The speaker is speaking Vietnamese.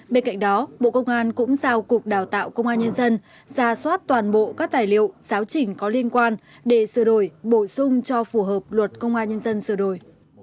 bên cạnh đó bộ công an cũng giao cục đào tạo công an nhân dân ra soát toàn bộ các tài liệu giáo trình có liên quan để sửa đổi bổ sung cho phù hợp luật công an nhân dân sửa đổi